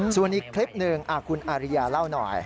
ส่วนอีกคลิปหนึ่งคุณอาริยาเล่าหน่อย